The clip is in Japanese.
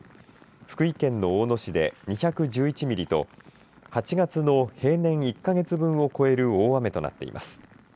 福井県の大野市で２１１ミリと８月の平年、１か月分を超える大雨となっています。